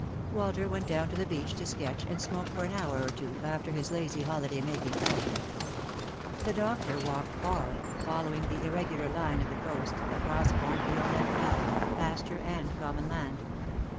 Walter went down to the beach to sketch and smoke for an hour or two, after his lazy holiday making fashion. The doctor walked far, following the irregular line of th« coast, across cornfield and fallow, pasture and common land.